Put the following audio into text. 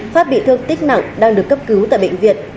pháp bị thương tích nặng đang được cấp cứu tại bệnh viện